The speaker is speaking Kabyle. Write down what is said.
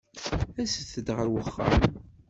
Aset-d ɣer wexxam.